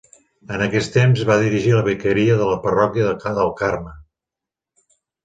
En aquest temps va dirigir la vicaria de la parròquia del Carme.